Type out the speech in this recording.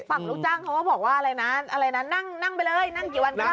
ฝั่งลูกจ้างเขาก็บอกว่าอะไรน่ะอะไรน่ะนั่งนั่งไปเลยนั่งกี่วันก็ได้